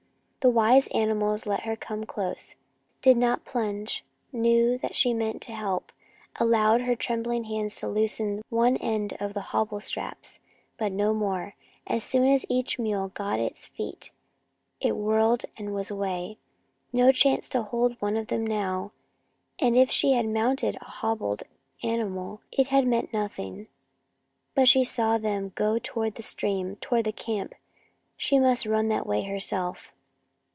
The wise animals let her come close, did not plunge, knew that she meant help, allowed her trembling hands to loose one end of the hobble straps, but no more. As soon as each mule got its feet it whirled and was away. No chance to hold one of them now, and if she had mounted a hobbled animal it had meant nothing. But she saw them go toward the stream, toward the camp. She must run that way herself.